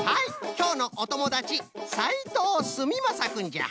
きょうのおともだちさいとうすみまさくんじゃ。